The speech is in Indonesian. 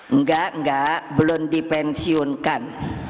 enggak enggak belum dipensiunkan